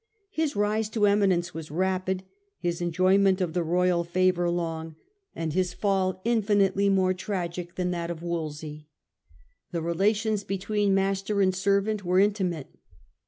His rise to eminence was rapid, his enjoyment of the royal favour long, and his fall infinitely 120 STUPOR MUNDI more tragic than that of Wolsey. The relations between master and servant were intimate.